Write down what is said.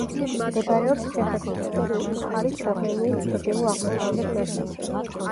მდებარეობს ჩეხეთის ისტორიული მხარის ბოჰემიის ჩრდილო-აღმოსავლეთ ნაწილში.